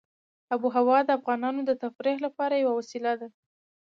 آب وهوا د افغانانو د تفریح لپاره یوه وسیله ده.